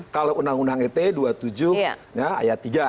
kalau undang undang it dua puluh tujuh ayat tiga